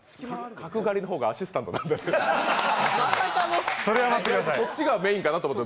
角刈りの方がアシスタントになってる。